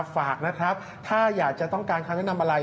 ฝากนะครับถ้าอยากจะต้องการคำแนะนำอะไร